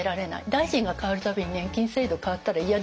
大臣が代わる度に年金制度変わったら嫌ですよね。